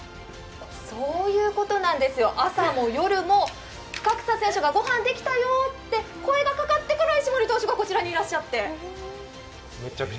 そういうことなんですよ、朝も夜も深草選手が御飯できたよと声がかかってから、こちらにいらっしゃって。